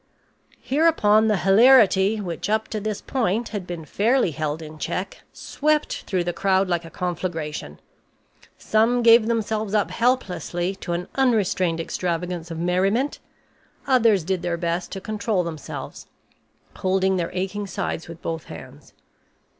Hereupon the hilarity, which up to this point had been fairly held in check, swept through the crowd like a conflagration. Some gave themselves up helplessly to an unrestrained extravagance of merriment; others did their best to control themselves, holding their aching sides with both hands.